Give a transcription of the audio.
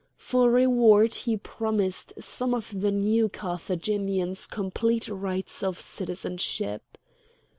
For reward he promised some of the New Carthaginians complete rights of citizenship.